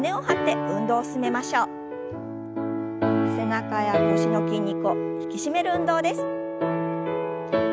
背中や腰の筋肉を引き締める運動です。